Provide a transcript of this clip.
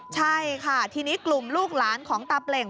ใช่ค่ะทีนี้กลุ่มลูกหลานของตาเปล่ง